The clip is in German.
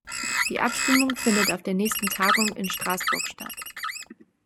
Die Abstimmung findet auf der nächsten Tagung in Straßburg statt.